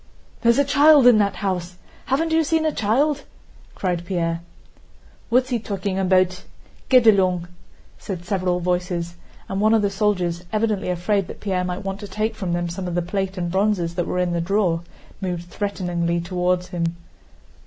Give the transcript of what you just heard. "There's a child in that house. Haven't you seen a child?" cried Pierre. "What's he talking about? Get along!" said several voices, and one of the soldiers, evidently afraid that Pierre might want to take from them some of the plate and bronzes that were in the drawer, moved threateningly toward him.